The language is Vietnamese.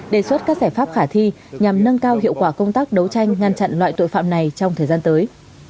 đề xuất các giải pháp khả thi nhằm nâng cao hiệu quả công tác đấu tranh ngăn chặn loại tội phạm này trong thời gian tới